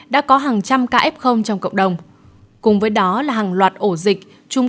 đã có hàng trăm ca f trong cộng đồng cùng với đó là hàng loạt ổ dịch